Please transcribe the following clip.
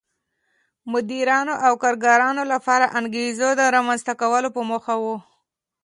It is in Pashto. مدیرانو او کارګرانو لپاره انګېزو رامنځته کولو په موخه و.